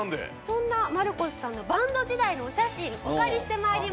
そんなマルコスさんのバンド時代のお写真お借りして参りました。